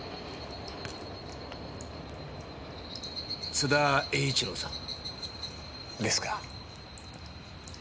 津田栄一郎さんですか？